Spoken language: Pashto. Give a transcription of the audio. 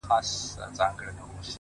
• د ګیلاس لوري د شراب او د مینا لوري؛